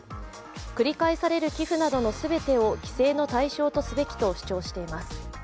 繰り返される寄付などの全てを規制の対象とすべきと主張しています。